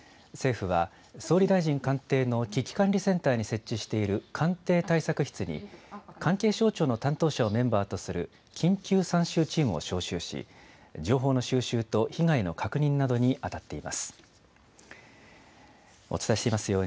政府は、総理大臣官邸の危機管理センターに設置している官邸対策室に、関係省庁の担当者をメンバーとする緊急参集チームを招集し、情報の収集と被害の確認などに当たっています。